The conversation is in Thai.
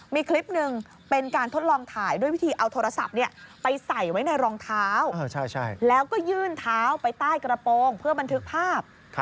มีคลิปหนึ่งเป็นการทดลองถ่ายด้วยวิธีเอาโทรศัพท์เนี่ยไปใส่ไว้ในรองเท้า